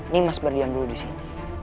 nimas berdiam dulu disini